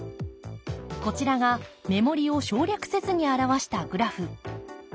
こちらが目盛りを省略せずに表したグラフ。